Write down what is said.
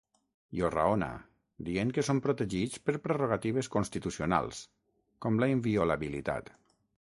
I ho raona, dient que són protegits per prerrogatives constitucionals, com la inviolabilitat.